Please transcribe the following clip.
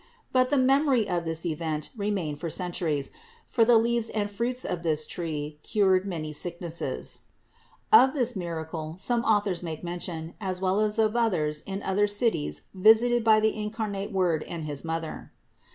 But the memory of this event remained for centuries, for the leaves and fruits of this tree cured many sicknesses. Of this miracle some authors make mention, as well as of others in other cities visited by the incarnate Word and his Mother (Nicephor 1, 10, c. 31; Sozomen 1, 5, c. 20; Brocard II, c. 4).